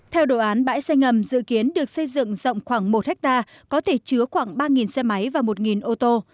theo đồ án bãi xe ngầm dự kiến được xây dựng rộng khoảng một ha có thể chứa khoảng ba xe máy và một ô tô